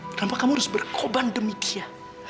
kenapa kamu harus berkorban demi dia